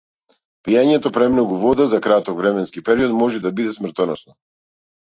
Пиењето премногу вода за краток временски период може да биде смртоносно.